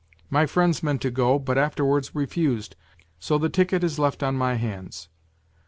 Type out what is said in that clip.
My friends meant to go, but afterwards refused, so the ticket is left on my hands.'